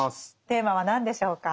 テーマは何でしょうか。